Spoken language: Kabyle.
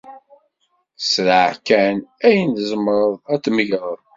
Zreɛ kan ayen tzemreḍ ad t-megreḍ.